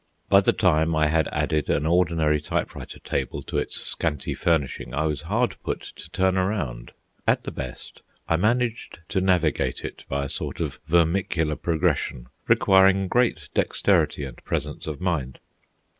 By the time I had added an ordinary typewriter table to its scanty furnishing, I was hard put to turn around; at the best, I managed to navigate it by a sort of vermicular progression requiring great dexterity and presence of mind.